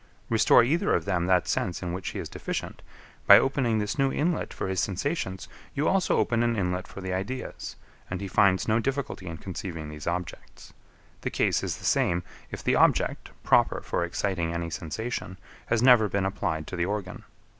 Restore either of them that sense in which he is deficient; by opening this new inlet for his sensations, you also open an inlet for the ideas; and he finds no difficulty in conceiving these objects. The case is the same, if the object, proper for exciting any sensation, has never been applied to the organ.